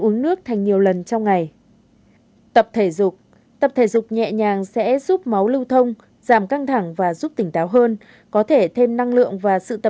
mùa thi cũng là mùa nắng gắt